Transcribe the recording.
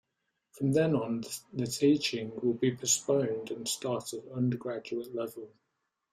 From then on the teaching will be postponed and start at undergraduate level.